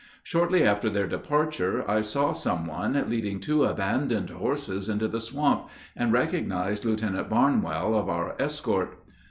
Shortly after their departure I saw some one leading two abandoned horses into the swamp, and recognized Lieutenant Barnwell of our escort.